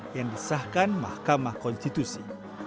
yang disahkan mahkamah konstitusi